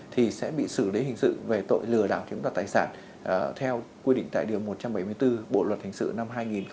thì sẽ bị xử lý hình sự về tội lừa đảo chiếm đoạt tài sản theo quy định tại điều một trăm bảy mươi bốn bộ luật hình sự năm hai nghìn một mươi năm